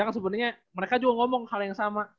kak reza sebenernya mereka juga ngomong hal yang sama